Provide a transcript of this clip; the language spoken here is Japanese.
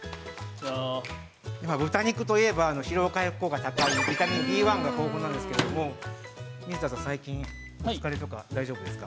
豚肉といえば疲労回復効果が高い、ビタミンＢ１が豊富なんですけど、水田さん、最近疲れとか大丈夫ですか。